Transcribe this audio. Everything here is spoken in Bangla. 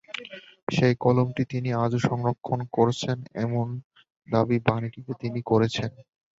সেই কলমটি তিনি আজও সংরক্ষণ করছেন এমন দাবি বাণীটিতে তিনি করেছেন।